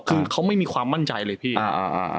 คือเขาไม่มีความมั่นใจเลยพี่อ่า